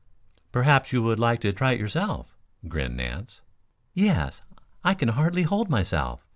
"Perhaps you would like to try it yourself?" grinned Nance. "Yes, I can hardly hold myself.